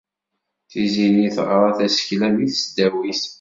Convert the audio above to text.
Tiziri teɣra tasekla deg tesdawit.